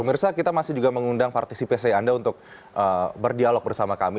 mirsa kita masih juga mengundang partisipasi anda untuk berdialog bersama kami